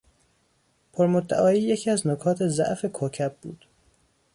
پرمدعایی یکی از نکات ضعف کوکب بود.